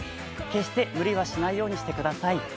決して無理はしないようにしてください。